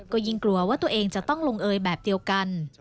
ก็ยิ่งกลัวว่าตัวเองจะต้องลงเอยแบบเดียวกัน